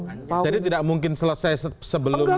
jadi tidak mungkin selesai sebelum lima belas februari